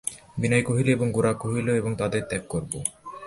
বিনয় কহিল, এবং– গোরা কহিল, এবং তোমাদের ত্যাগ করব।